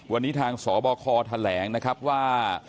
วันนี้ทางสบคแถลงนะครับว่า